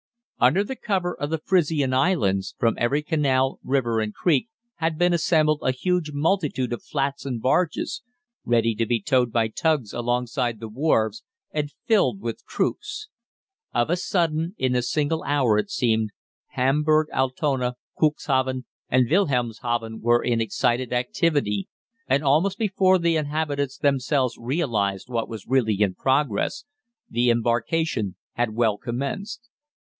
Under the cover of the Frisian Islands, from every canal, river, and creek had been assembled a huge multitude of flats and barges, ready to be towed by tugs alongside the wharves and filled with troops. Of a sudden, in a single hour it seemed, Hamburg, Altona, Cuxhaven, and Wilhelmshaven were in excited activity, and almost before the inhabitants themselves realised what was really in progress, the embarkation had well commenced.